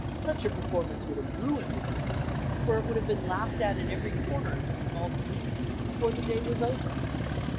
Such a performance would have ruined a newcomer, for it would have been laughed at in every corner of his small community before the dav was over.